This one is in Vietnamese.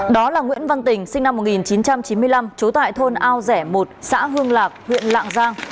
đó là nguyễn văn tình sinh năm một nghìn chín trăm chín mươi năm trú tại thôn ao rẻ một xã hương lạc huyện lạng giang